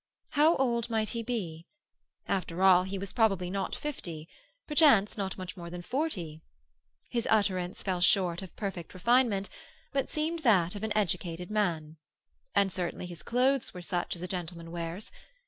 How old might he be? After all, he was probably not fifty—perchance not much more than forty. His utterance fell short of perfect refinement, but seemed that of an educated man. And certainly his clothes were such as a gentleman wears.